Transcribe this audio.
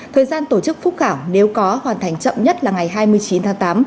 thời gian tổ chức phúc khảo nếu có hoàn thành chậm nhất là ngày hai mươi chín tháng tám